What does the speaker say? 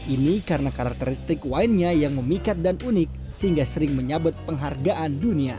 ini karena karakteristik winenya yang memikat dan unik sehingga sering menyabut penghargaan dunia